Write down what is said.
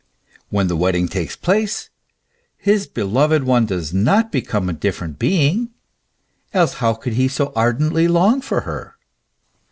When the wedding takes place, his beloved one does not become a different being ; else how could he so ardently long for her